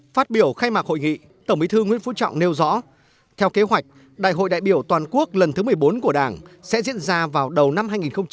phát biểu khai mạc hội nghị tổng bí thư nguyễn phú trọng nêu rõ theo kế hoạch đại hội đại biểu toàn quốc lần thứ một mươi bốn của đảng sẽ diễn ra vào đầu năm hai nghìn hai mươi